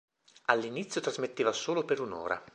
All'inizio trasmetteva solo per un'ora.